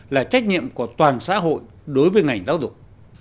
là trách nhiệm của toàn xã hội đối với ngành giáo dục